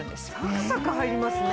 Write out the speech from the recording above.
サクサク入りますね！